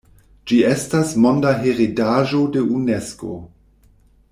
Ĝi estas monda heredaĵo de Unesko.